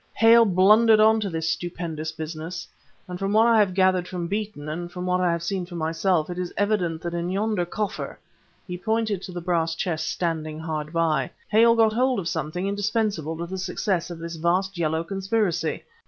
Hale blundered on to this stupendous business; and from what I have gathered from Beeton and what I have seen for myself, it is evident that in yonder coffer" he pointed to the brass chest standing hard by "Hale got hold of something indispensable to the success of this vast Yellow conspiracy.